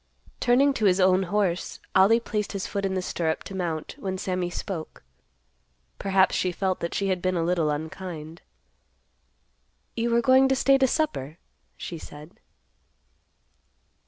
Turning to his own horse, Ollie placed his foot in the stirrup to mount, when Sammy spoke,—perhaps she felt that she had been a little unkind—"You were going to stay to supper," she said.